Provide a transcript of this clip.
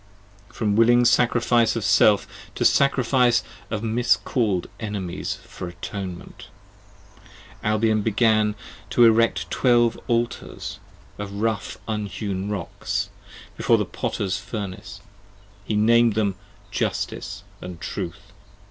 20 From willing sacrifice of Self, to sacrifice of (miscall'd) Enemies For Atonement: Albion began to erect twelve Altars, Of rough unhewn rocks, before the Potter's Furnace. He nam'd them Justice, and Truth.